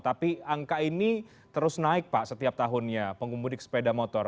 tapi angka ini terus naik pak setiap tahunnya pengumudi sepeda motor